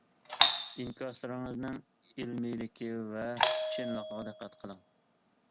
ئىنكاسلىرىڭىزنىڭ ئىلمىيلىكى ۋە چىنلىقىغا دىققەت قىلىڭ.